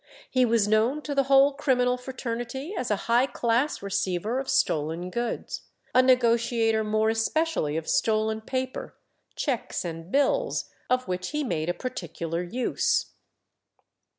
He was known to the whole criminal fraternity as a high class receiver of stolen goods, a negotiator more especially of stolen paper, cheques and bills, of which he made a particular use.